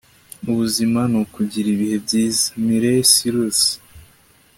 ubuzima ni ukugira ibihe byiza. - miley cyrus